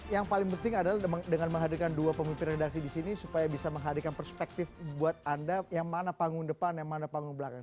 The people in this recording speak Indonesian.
yang paling penting adalah dengan menghadirkan dua pemimpin redaksi di sini supaya bisa menghadirkan perspektif buat anda yang mana panggung depan yang mana panggung belakang